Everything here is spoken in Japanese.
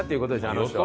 あの人は。